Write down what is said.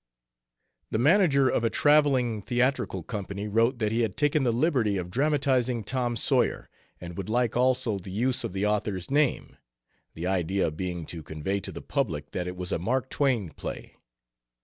The manager of a traveling theatrical company wrote that he had taken the liberty of dramatizing Tom Sawyer, and would like also the use of the author's name the idea being to convey to the public that it was a Mark Twain play.